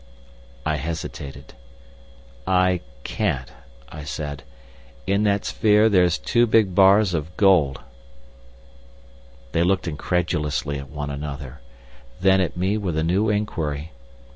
I hesitated. "I can't," I said. "In that sphere there's two big bars of gold." They looked incredulously at one another, then at me with a new inquiry.